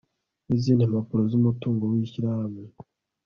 n izindi mpapuro z umutungo w ishyirahamwe